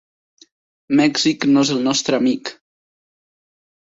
Mèxic no és el nostre amic.